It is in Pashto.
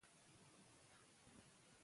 ماشومان پوهنتون ته د لوبو لپاره رابلل کېږي.